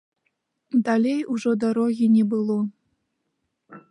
Далей ужо дарогі не было.